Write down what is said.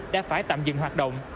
đã phải tạm dừng hoạt động